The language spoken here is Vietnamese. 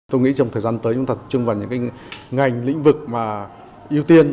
tôi nghĩ trong thời gian tới chúng ta tập trung vào những ngành lĩnh vực mà ưu tiên